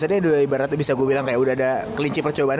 maksudnya udah ibarat bisa gue bilang kayak udah ada kelinci percobaan